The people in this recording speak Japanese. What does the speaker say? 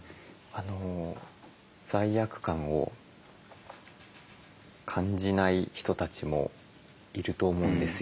あの罪悪感を感じない人たちもいると思うんですよ。